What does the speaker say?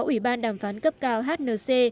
ủy ban đàm phán cấp cao hnc